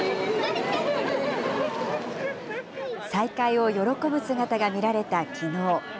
再会を喜ぶ姿が見られたきのう。